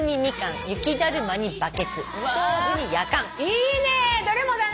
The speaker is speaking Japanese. いいねどれもだね。